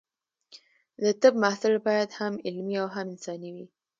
د طب محصل باید هم علمي او هم انساني وي.